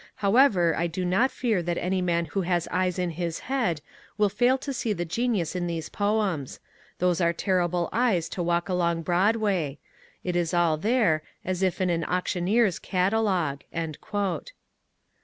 However, I do not fear that any man who has eyes in his head will fail to see the genius in these poems. Those are terrible eyes to walk along Broadway. It is all there, as if in an auctioneer's catalogue."